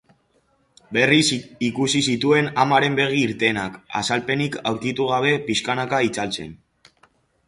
Berriz ikusi zituen amaren begi irtenak, azalpenik aurkitu gabe pixkanaka itzaltzen.